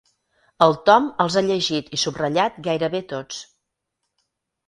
El Tom els ha llegit i subratllat gairebé tots.